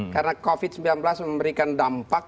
karena covid sembilan belas memberikan dampak